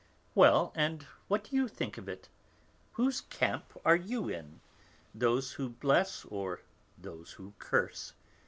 Well, and what do you think of it? Whose camp are you in, those who bless or those who curse?